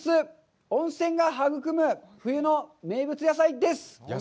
温泉が育む冬の名物野菜」です。